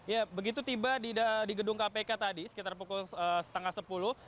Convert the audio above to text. ya begitu tiba di gedung kpk tadi sekitar pukul setengah sepuluh